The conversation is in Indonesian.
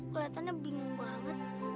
keliatannya bingung banget